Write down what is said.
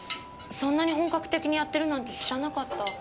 そんなに本格的にやってるなんて知らなかった。